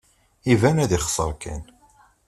Iban ad yexser kan.